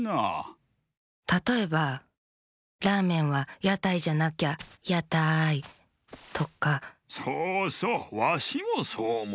たとえば「ラーメンはやたいじゃなきゃやたい！」とか。そうそうわしもそうおもう。